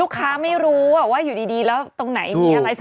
ลูกค้าไม่รู้ว่าอยู่ดีแล้วตรงไหนอย่างนี้อะไร